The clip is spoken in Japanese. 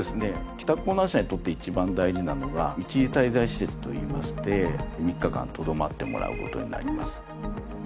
帰宅困難者にとって一番大事なのが一時滞在施設といいまして３日間留まってもらう事になります。